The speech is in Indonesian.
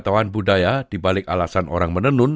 menenun adalah sebuah proses yang berbeda dibalik alasan orang menenun